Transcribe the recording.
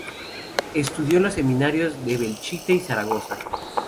Estudió en los seminarios de Belchite y Zaragoza.